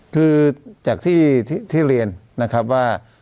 คือจากที่เรียนนะครับว่า